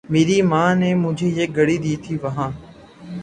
میریں مامیںں نیں مجھیں یہ گھڑی دی تھی وہاں